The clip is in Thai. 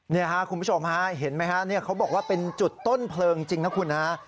นี่ครับคุณผู้ชมฮะเห็นไหมฮะเขาบอกว่าเป็นจุดต้นเพลิงจริงนะคุณฮะ